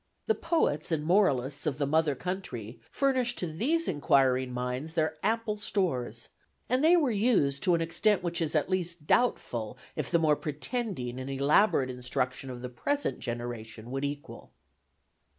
The poets and moralists of the mother country furnished to these inquiring minds their ample stores, and they were used to an extent which it is at least doubtful if the more pretending and elaborate instruction of the present generation would equal."